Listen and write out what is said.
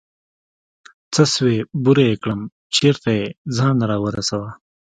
څه سوې بوره يې كړم چېرته يې ځان راورسوه.